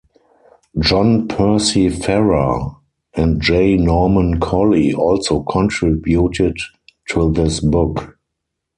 John Percy Farrar and J. Norman Collie also contributed to this book.